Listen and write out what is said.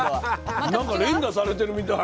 なんか連打されてるみたい。